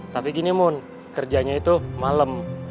tapi gini mun kerjanya itu malem